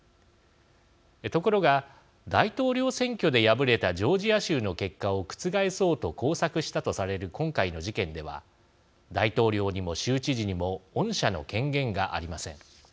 ところが大統領選挙で敗れたジョージア州の結果を覆そうと工作したとされる今回の事件では大統領にも州知事にも恩赦の権限がありません。